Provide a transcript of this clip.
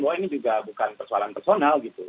bahwa ini juga bukan persoalan personal gitu